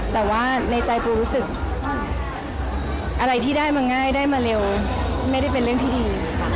แต่ว่าในใจปูรู้สึกอะไรที่ได้มาง่ายได้มาเร็วไม่ได้เป็นเรื่องที่ดี